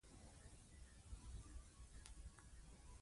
احمد پر علي خوله ورخلاصه کړه؛ سپک سپاند يې کړ.